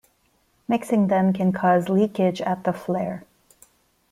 Mixing them can cause leakage at the flare.